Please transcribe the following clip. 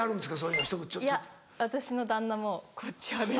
いや私の旦那もこっち派で。